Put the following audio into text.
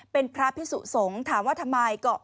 เป็นพระพิสุสงฆ์ถามว่าทำไมเกาะ